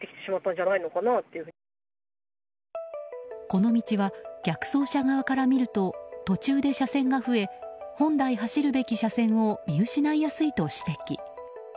この道は、逆走車側から見ると途中で車線が増え本来走るべき車線を見失いやすいと指摘。